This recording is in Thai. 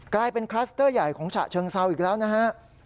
กลายเป็นคลัสเตอร์ใหญ่ของฉะเชิงเซาอีกแล้วนะฮะ